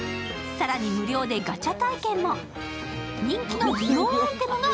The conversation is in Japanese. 更に無料でガチャ体験も。